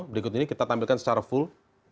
berikut ini kita tampilkan secara full